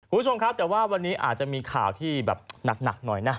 คุณผู้ชมครับแต่ว่าวันนี้อาจจะมีข่าวที่แบบหนักหน่อยนะ